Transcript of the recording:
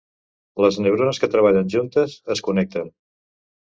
Les neurones que treballen juntes, es connecten.